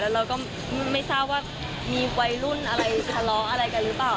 เราก็ไม่ทราบว่ามีวัยรุ่นอะไรทะเลาะอะไรกันหรือเปล่า